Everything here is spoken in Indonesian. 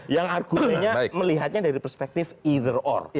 yang argumennya melihatnya dari perspektif either or